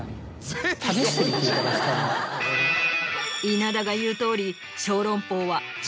稲田が言うとおり。